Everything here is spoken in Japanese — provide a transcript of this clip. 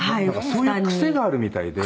そういう癖があるみたいで。